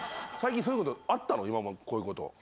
こういうこと。